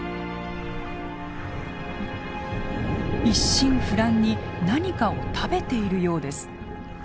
一心不乱に何かを食べているようです。